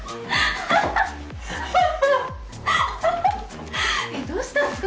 アハハえっどうしたんすか？